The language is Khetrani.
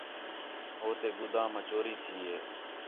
ہُو تے گُدام آ چوری تھی ہِے